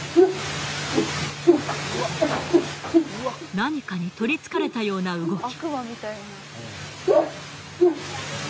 何かに取り憑かれたような動き。